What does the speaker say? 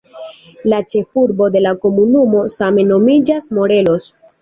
La ĉefurbo de la komunumo same nomiĝas "Morelos".